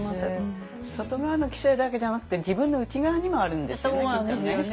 外側の規制だけじゃなくて自分の内側にもあるんですよねきっとね。